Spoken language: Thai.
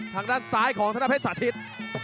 ทางด้านซ้ายของท่านพ่อเทศสาชิต